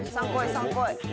３こい！